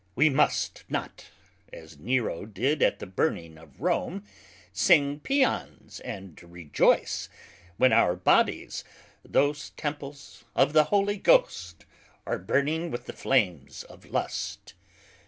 We must not (as Nero did at the burning of Rome) sing Pæans and rejoyce, when our Bodies (those Temples of the Holy Ghost) are burning with the flames of Lust.